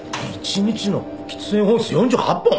１日の喫煙本数４８本！？